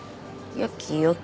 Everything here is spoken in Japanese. よきよき。